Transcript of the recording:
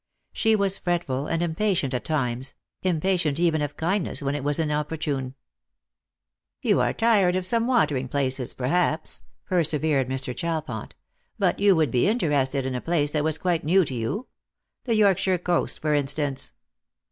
She was fretful and impatient at times, impatient even of kindness when it was inopportune. " You are tired of some watei ing places, perhaps," persevered Mr. Chalfont; " but you would be interested in a place that was quite new to you. The Yorkshire coast, for instance."